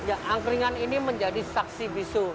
ya angkringan ini menjadi saksi bisu